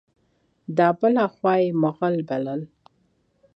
دا بله خوا یې مغل بلل.